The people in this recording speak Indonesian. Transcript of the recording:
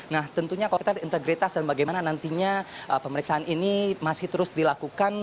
nah tentunya kalau kita lihat integritas dan bagaimana nantinya pemeriksaan ini masih terus dilakukan